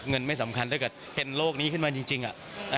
เงินไม่สำคัญถ้าเกิดเป็นโรคนี้ขึ้นมาจริงอะ